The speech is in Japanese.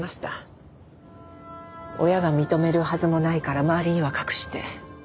親が認めるはずもないから周りには隠して。